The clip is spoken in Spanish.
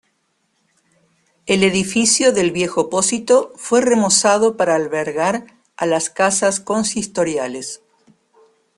El edificio del viejo pósito fue remozado para albergar a las Casas Consistoriales.